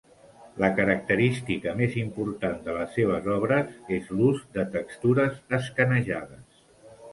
La característica més important de les seves obres és l'ús de textures escanejades.